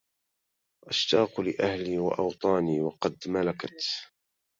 أشتاق لأهلي وأوطاني وقد ملكت